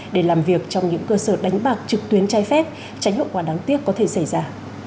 để làm việc trong những cơ sở đánh bạc trực tuyến trái phép tránh hậu quả đáng tiếc có thể xảy ra